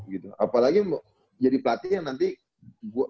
gitu apalagi mau jadi pelatih yang nanti bisa